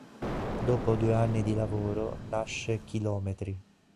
Dopo due anni di lavoro nasce "Kilometri".